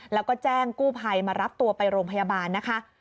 แล้วก็แจ้งกู้ภัยมารับตัวไปโรงพยาบาลนะคะ